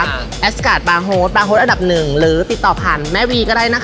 แอสกาดบาร์โฮดบาร์โฮดอันดับหนึ่งหรือติดต่อผ่านแม่วีก็ได้นะคะ